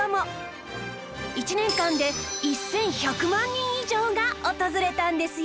１年間で１１００万人以上が訪れたんですよ